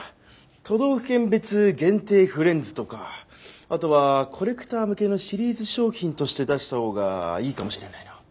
都道府県別限定フレンズとかあとはコレクター向けのシリーズ商品として出したほうがいいかもしれないなぁ。